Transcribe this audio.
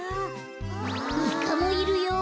イカもいるよ！